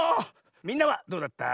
みんなはどうだった？